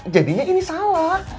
jadinya ini salah